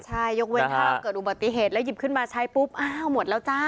ใช่ยกเว้นถ้าเกิดอุบัติเหตุแล้วหยิบขึ้นมาใช้ปุ๊บอ้าวหมดแล้วจ้า